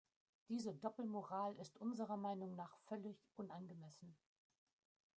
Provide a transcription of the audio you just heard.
Diese Doppelmoral ist unserer Meinung nach völlig unangemessen.